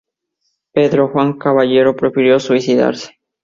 Pedro Juan Caballero prefirió suicidarse.